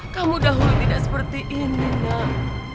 kamu dahulu tidak seperti ini nak